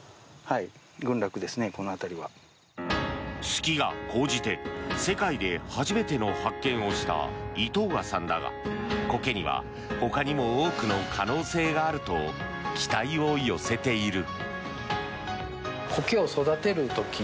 好きが高じて世界で初めての発見をした井藤賀さんだがコケにはほかにも多くの可能性があると期待を寄せている。